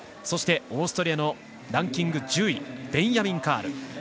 そしてオーストリアのランキング１０位ベンヤミン・カール。